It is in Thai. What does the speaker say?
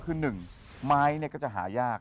คือหนึ่งไม้เนี่ยก็จะหายาก